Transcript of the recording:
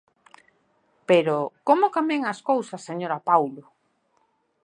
Pero ¡como cambian as cousas, señora Paulo!